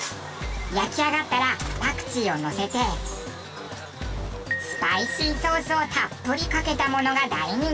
焼き上がったらパクチーをのせてスパイシーソースをたっぷりかけたものが大人気。